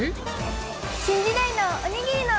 新時代のおにぎりの！